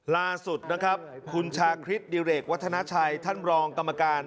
ล่าสุดนะครับคุณชาคริสดิเรกวัฒนาชัยท่านรองกรรมการ